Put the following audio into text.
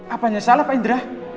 apanya salah pak indra